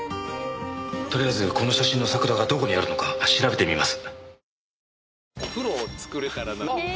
とりあえずこの写真の桜がどこにあるのか調べてみます。